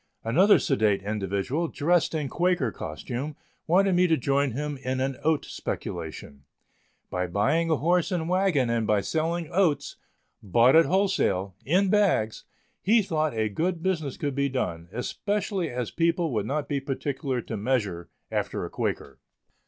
Another sedate individual, dressed in Quaker costume, wanted me to join him in an oat speculation. By buying a horse and wagon and by selling oats, bought at wholesale, in bags, he thought a good business could be done, especially as people would not be particular to measure after a Quaker.